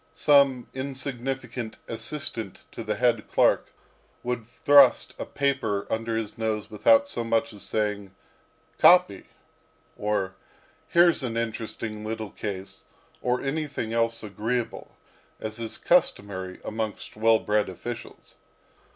Some insignificant assistant to the head clerk would thrust a paper under his nose without so much as saying, "Copy," or, "Here's an interesting little case," or anything else agreeable, as is customary amongst well bred officials.